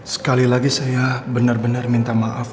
sekali lagi saya benar benar minta maaf